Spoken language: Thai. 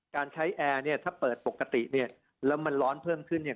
การใช้แอร์เนี่ยถ้าเปิดปกติเนี่ยแล้วมันร้อนเพิ่มขึ้นเนี่ย